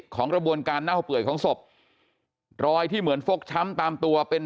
ของกระบวนการเน่าเปื่อยของศพรอยที่เหมือนฟกช้ำตามตัวเป็น